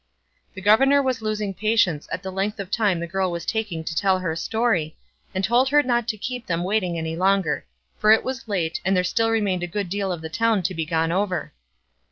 The governor was losing patience at the length of time the girl was taking to tell her story, and told her not to keep them waiting any longer; for it was late, and there still remained a good deal of the town to be gone over.